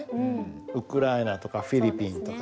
ウクライナとかフィリピンとか。